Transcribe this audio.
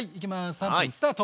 ３分スタート！